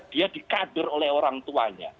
dia dikader oleh orang tuanya